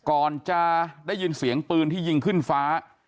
ก่อนจะได้ยินเสียงปืนที่ยิงขึ้นฟ้า